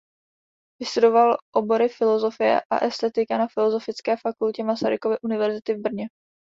Vystudoval obory filosofie a estetika na Filosofické fakultě Masarykovy univerzity v Brně.